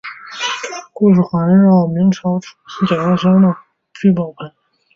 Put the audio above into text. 故事主题环绕明朝初年富商沈万三的聚宝盆。